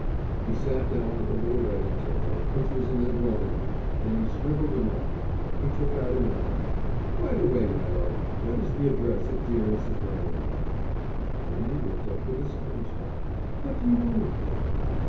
He sat down at the little writing table which was in the drawing room and scribbled a note. He took out an envelope. "By the way, my love, what is the address of dear Mrs. Railing?" Winnie looked up with astonishment. "What do you want it for?"